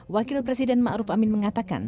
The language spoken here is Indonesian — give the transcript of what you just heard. wakil presiden ma'ruf amin mengatakan